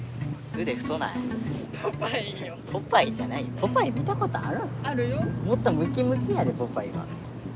もっとむきむきやでポパイは。